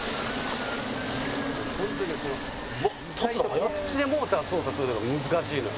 「こっちでモーター操作するのが難しいのよ」